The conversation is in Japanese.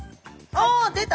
あっ出た！